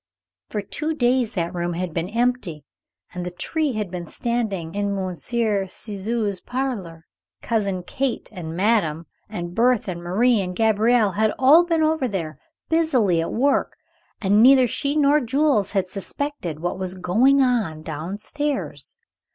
For two days that room had been empty and the tree had been standing in Monsieur Ciseaux's parlor. Cousin Kate and madame and Berthé and Marie and Gabriel had all been over there, busily at work, and neither she nor Jules had suspected what was going on down stairs.